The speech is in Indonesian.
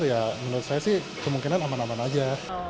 ya menurut saya sih kemungkinan aman aman aja